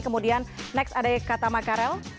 kemudian next ada kata makarel